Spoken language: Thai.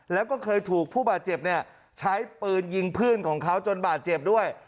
แล้วก็เคยถูกผู้บาดเจ็บเนี่ยใช้ปืนยิงเพื่อนของเขาจนบาดเจ็บด้วย